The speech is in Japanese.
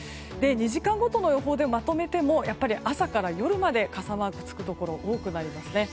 ２時間ごとの予報でまとめてもやはり朝から夜まで傘マークがつくところが多くなります。